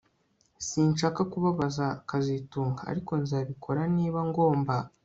Sinshaka kubabaza kazitunga ariko nzabikora niba ngomba